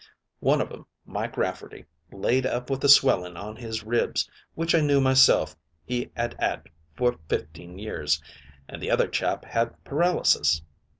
One of 'em, Mike Rafferty, laid up with a swelling on his ribs, which I knew myself he 'ad 'ad for fifteen years, and the other chap had paralysis.